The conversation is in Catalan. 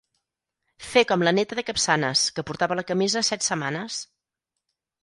Fer com la neta de Capçanes que portava la camisa set setmanes.